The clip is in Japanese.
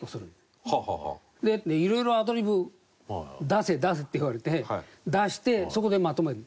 いろいろアドリブ出せ出せって言われて出してそこでまとめる。